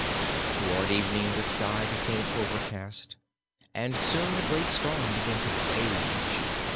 Toward evening the sky became overcast and soon a great storm began to rage.